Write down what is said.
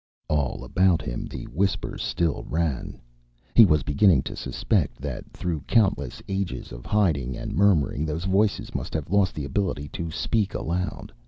All about him the whispers still ran. He was beginning to suspect that through countless ages of hiding and murmuring those voices must have lost the ability to speak aloud.